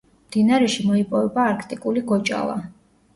მდინარეში მოიპოვება არქტიკული გოჭალა.